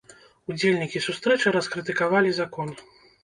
Удзельнікі сустрэчы раскрытыкавалі закон.